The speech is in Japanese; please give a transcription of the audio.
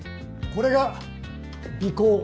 これが尾行。